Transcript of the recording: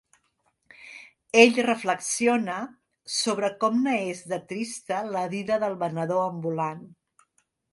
Ell reflexiona sobre com n'és de trista la vida del venedor ambulant.